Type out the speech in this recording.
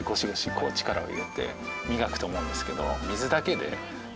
こう力を入れて磨くと思うんですけど。